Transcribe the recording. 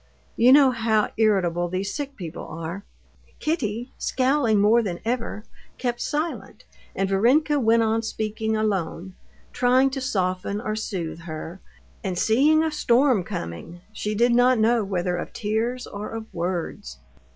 You know how irritable these sick people are." Kitty, scowling more than ever, kept silent, and Varenka went on speaking alone, trying to soften or soothe her, and seeing a storm coming—she did not know whether of tears or of words.